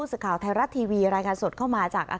สวัสดีค่ะ